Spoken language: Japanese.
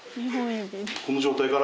この状態から。